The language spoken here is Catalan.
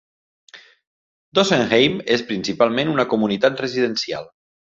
Dossenheim és principalment una comunitat residencial.